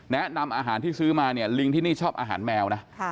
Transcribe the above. แนะนำอาหารที่ซื้อมาเนี่ยลิงที่นี่ชอบอาหารแมวนะ